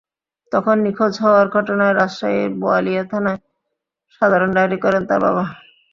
তখন নিখোঁজ হওয়ার ঘটনায় রাজশাহীর বোয়ালিয়া থানায় সাধারণ ডায়রি করেন তাঁর বাবা।